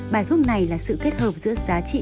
bài thuốc này là sự kết hợp giữa giá trị